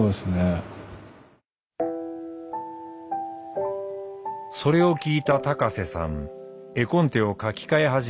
それを聞いた高瀬さん絵コンテを書き換え始めた。